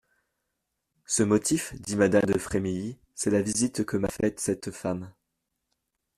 Ce motif, dit madame de Frémilly, c'est la visite que m'a faite cette femme.